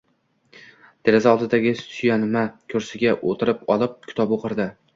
Deraza oldidagi suyanma kursisiga oʻtirib olib, kitob oʻqirdi…